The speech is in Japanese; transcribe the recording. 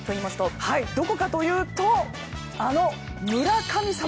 どこかというと、あの村神様